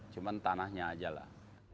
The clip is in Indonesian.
cuma tanahnya aja lah